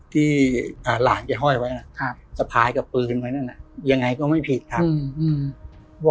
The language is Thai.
ที่หลานแกห้อยไว้นะครับสะพายกับปืนไว้นั่นน่ะยังไงก็ไม่ผิดครับ